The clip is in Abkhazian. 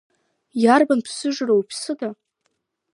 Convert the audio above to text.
Иарбан ԥсыжроу, иԥсыда?